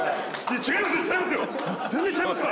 違いますよ違いますよ！